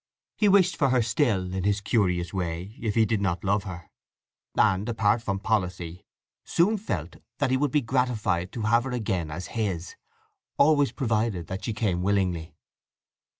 He wished for her still, in his curious way, if he did not love her, and, apart from policy, soon felt that he would be gratified to have her again as his, always provided that she came willingly.